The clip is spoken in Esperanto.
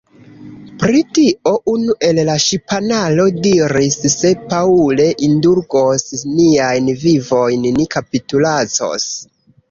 Pri tio, unu el la ŝipanaro diris, Se Paŭlo indulgos niajn vivojn, ni kapitulacos.